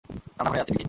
রান্নাঘরেই আছে, কিটি!